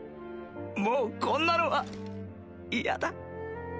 もうこんなのは嫌だ